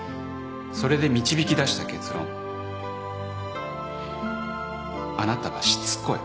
それで導き出した結論あなたはしつこい。